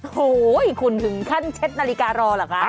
โอ้โหคุณถึงขั้นเช็ดนาฬิการอเหรอคะ